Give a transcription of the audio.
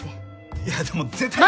いやでも絶対に。